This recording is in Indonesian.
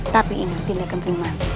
tapi ingat tidak keterima